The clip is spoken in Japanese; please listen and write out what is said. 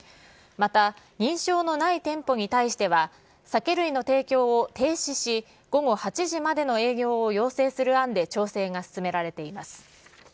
また認証のない店舗に対しては、酒類の提供を停止し、午後８時までの営業を要請する案で調整が進められています。